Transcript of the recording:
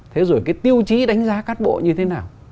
thế rồi cái tiêu chí đánh giá cán bộ như thế nào